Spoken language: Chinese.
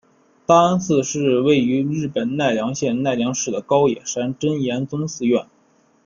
大安寺是位在日本奈良县奈良市的高野山真言宗寺院。